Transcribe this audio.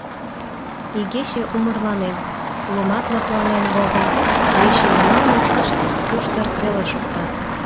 Игече умырланен, лумат лыпланен возын, ече йымалне пыштырт-пуштырт веле шокта.